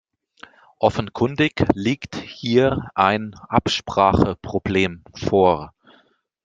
Offenkundig liegt hier ein Abspracheproblem vor.